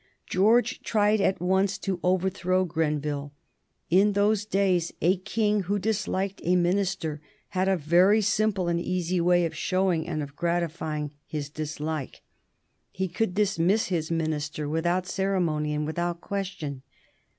George tried at once to overthrow Grenville. In those days a king who disliked a minister had a very simple and easy way of showing and of gratifying his dislike. He could dismiss his minister without ceremony and without question.